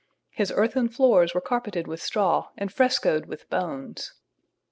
His earthen floors were carpeted with straw and frescoed with bones.